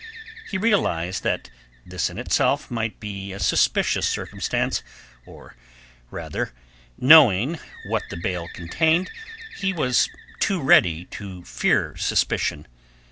He realized that this in itself might be a suspicious circumstance; or, rather, knowing what the bale contained, he was too ready to fear suspicion.